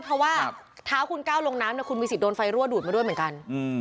เพราะว่าเท้าคุณก้าวลงน้ำคุณมีสิทธิ์โดนไฟรั่วดูดมาด้วยเหมือนกัน